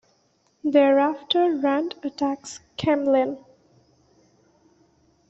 Thereafter Rand attacks Caemlyn.